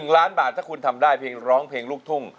๑ล้านบาทถ้าคุณทำได้เพลงร้องเพลงลูกทุ่ง